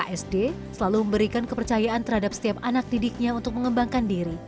sd selalu memberikan kepercayaan terhadap setiap anak didiknya untuk mengembangkan diri